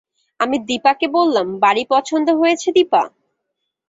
আমি দিপাকে বললাম, বাড়ি পছন্দ হয়েছে দিপা?